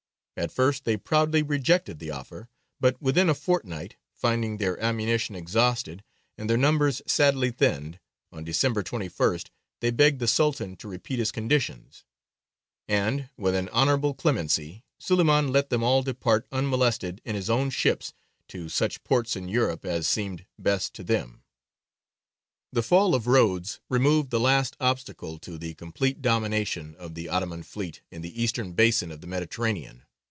At first they proudly rejected the offer, but within a fortnight, finding their ammunition exhausted and their numbers sadly thinned, on December 21st they begged the Sultan to repeat his conditions, and, with an honourable clemency, Suleymān let them all depart unmolested in his own ships to such ports in Europe as seemed best to them. The fall of Rhodes removed the last obstacle to the complete domination of the Ottoman fleet in the eastern basin of the Mediterranean.